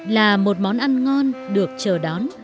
là một món ăn ngon được chờ đón